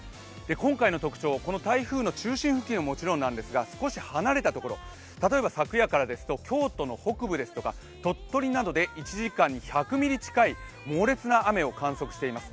今回の特徴、台風の中心付近はもちろんなんですが少し離れたところ、例えば昨夜からですと京都の北部ですとか鳥取などで１時間に１００ミリ近い猛烈な雨を観測しています